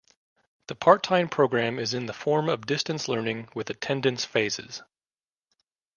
The part-time program is in the form of distance learning with attendance phases.